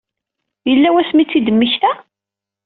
Yella wasmi i tt-id-temmekta?